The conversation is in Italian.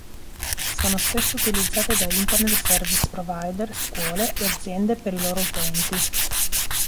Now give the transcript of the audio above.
Sono spesso utilizzate da Internet Service Provider, scuole, e aziende per i loro utenti.